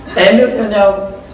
té nước cho nhau